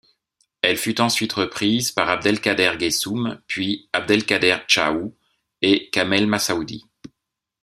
Elle fut ensuite reprise par Abdelkader Guessoum puis Abdelkader Chaou et Kamel Messaoudi.